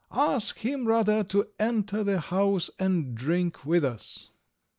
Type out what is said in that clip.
Ask him, rather, to enter the house and drink with us."